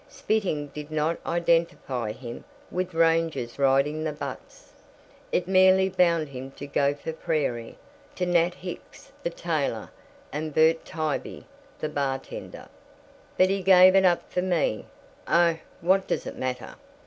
Spitting did not identify him with rangers riding the buttes; it merely bound him to Gopher Prairie to Nat Hicks the tailor and Bert Tybee the bartender. "But he gave it up for me. Oh, what does it matter!